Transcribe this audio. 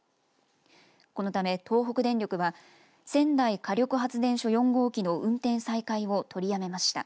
このため東北電力は仙台火力発電所４号機の運転再開を取りやめました。